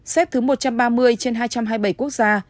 xếp thứ một trăm ba mươi trên hai trăm hai mươi bảy quốc gia